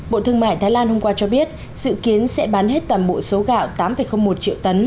bộ thương mại thái lan hôm qua cho biết dự kiến sẽ bán hết toàn bộ số gạo tám một triệu tấn